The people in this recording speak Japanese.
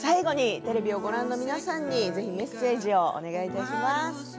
テレビをご覧の皆さんにメッセージをお願いします。